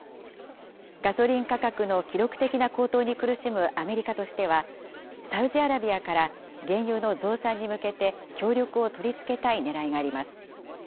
ガソリン価格の記録的な高騰に苦しむアメリカとしては、サウジアラビアから原油の増産に向けて協力を取り付けたいねらいがあります。